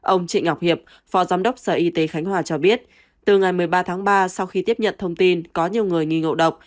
ông trịnh ngọc hiệp phó giám đốc sở y tế khánh hòa cho biết từ ngày một mươi ba tháng ba sau khi tiếp nhận thông tin có nhiều người nghi ngộ độc